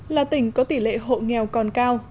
là tỉnh có tỷ lệ hộ nghèo còn cao